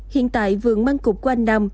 hiện tại vườn mang cục của anh nam